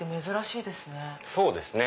そうですね。